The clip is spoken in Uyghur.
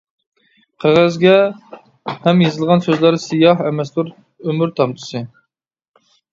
قەغەزگە ھەم يېزىلغان سۆزلەر، سىياھ ئەمەستۇر ئۆمۈر تامچىسى.